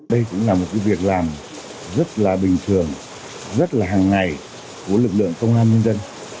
đây cũng là một việc làm rất là bình thường rất là hàng ngày của lực lượng công an nhân dân